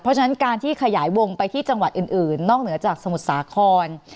เพราะฉะนั้นการที่ขยายวงไปที่จังหวัดอื่นนอกเหนือจากสมุทรสาคร